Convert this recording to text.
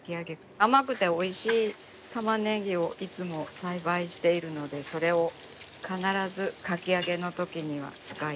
甘くておいしいたまねぎをいつも栽培しているのでそれを必ずかき揚げのときには使います。